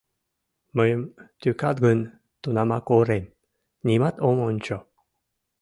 Мыйым тӱкат гын, тунамак орем, нимат ом ончо...